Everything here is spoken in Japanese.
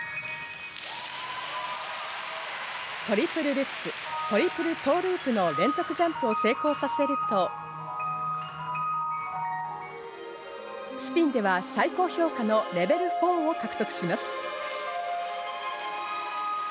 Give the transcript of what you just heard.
トリプルルッツ、トリプルトーループの連続ジャンプを成功させると、スピンでは最高評価のレベル４を獲得します。